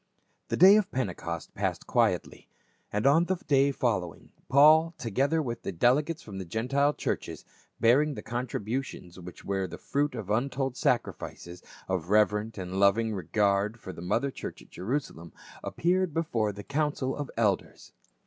(381) 382 PA UL. The day of Pentecost passed quietly ; and on the day following, Paul together with the delegates from the Gentile churches, bearing the contributions which were the fruit of untold sacrifices, of reverent and loving regard for the mother church at Jerusalem, ap peared before the council of elders.